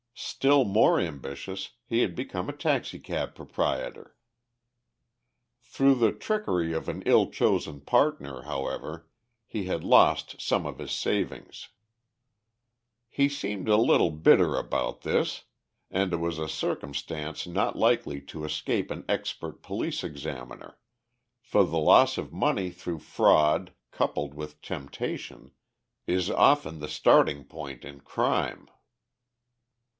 Still more ambitious, he had become a taxicab proprietor. Through the trickery of an ill chosen partner, however, he has lost some of his savings. He seemed a little bitter about this, and it was a circumstance not likely to escape an expert police examiner, for the loss of money through fraud, coupled with temptation, is often the starting point in crime.